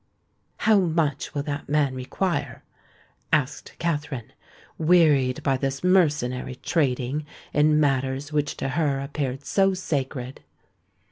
"How much will that man require?" asked Katherine, wearied by this mercenary trading in matters which to her appeared so sacred.